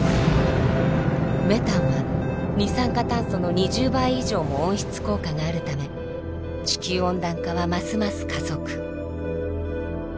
メタンは二酸化炭素の２０倍以上も温室効果があるため地球温暖化はますます加速。